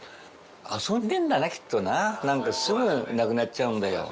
遊んでんだなきっとな何かすぐなくなっちゃうんだよ